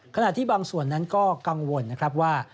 ขณะที่บางส่วนนั้นก็กังวลนะครับว่า